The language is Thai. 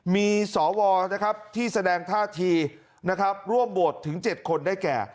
มีสวที่แสดงท่าทีนะครับร่วมโหวตถึง๗คนได้แก่